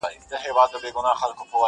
• یار به واچوم تارونه نوي نوي و رباب ته..